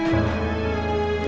ini udah berakhir